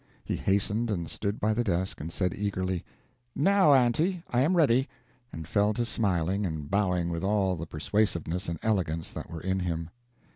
He hastened and stood by the desk, and said eagerly, "Now, Aunty, I am ready," and fell to smiling and bowing with all the persuasiveness and elegance that were in him.